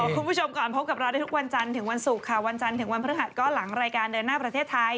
คุณผู้ชมก่อนพบกับเราได้ทุกวันจันทร์ถึงวันศุกร์ค่ะวันจันทร์ถึงวันพฤหัสก็หลังรายการเดินหน้าประเทศไทย